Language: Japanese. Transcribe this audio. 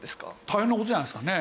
大変な事じゃないですかね。